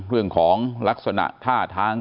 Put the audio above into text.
เรื่องของลักษณะท่าทาง